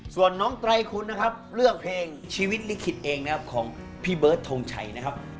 ส่วนน้องไตรคุณนะครับเลือกเพลงชีวิตลิขิตเองนะครับของพี่เบิร์ดทงชัยนะครับ